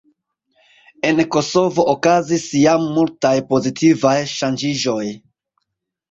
En Kosovo okazis jam multaj pozitivaj ŝanĝiĝoj.